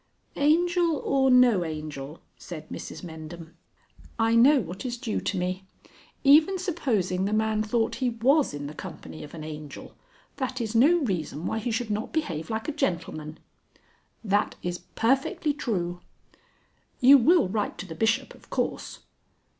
_] "Angel or no angel," said Mrs Mendham, "I know what is due to me. Even supposing the man thought he was in the company of an angel, that is no reason why he should not behave like a gentleman." "That is perfectly true." "You will write to the Bishop, of course?"